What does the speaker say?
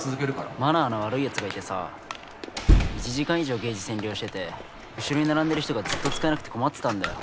マナーの悪いやつがいてさ１時間以上ゲージ占領してて後ろに並んでる人がずっと使えなくて困ってたんだよ。